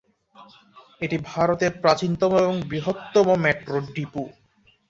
এটি ভারতের প্রাচীনতম এবং বৃহত্তম মেট্রো ডিপো।